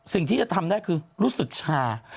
สิ่งที่จะทำได้คือรู้สึกชา